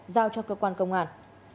giao cho cơ quan công an